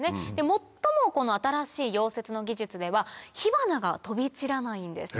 最も新しい溶接の技術では火花が飛び散らないんです。